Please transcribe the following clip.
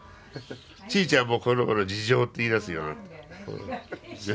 ちーちゃんもこのごろ「事情」って言いだすようになった。